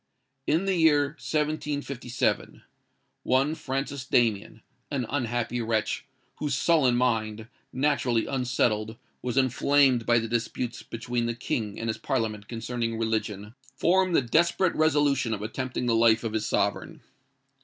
"In the year 1757, one Francis Damien, an unhappy wretch, whose sullen mind, naturally unsettled, was inflamed by the disputes between the King and his Parliament concerning religion, formed the desperate resolution of attempting the life of his Sovereign.